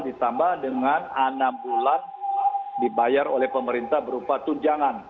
ditambah dengan enam bulan dibayar oleh pemerintah berupa tunjangan